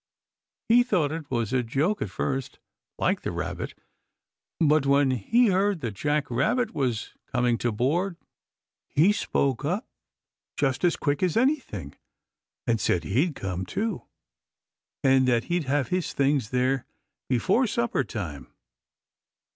He thought it was a joke at first, like the Rabbit, but when he heard that Jack Rabbit was coming to board he spoke up just as quick as anything and said he'd come, too, and that he'd have his things there before supper time.